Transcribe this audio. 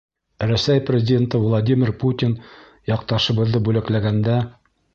Рәсәй Президенты Владимир Путин яҡташыбыҙҙы бүләкләгәндә: